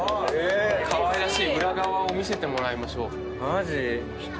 かわいらしい裏側を見せてもらいましょう。来た。